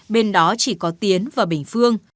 bên đó chỉ có tiến và bình phương